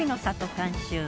監修